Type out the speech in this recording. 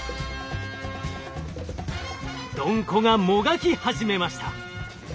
ドンコがもがき始めました。